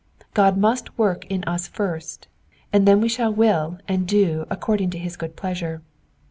God must work in us fiiBt, and then we shall will and do according to his good pleasure.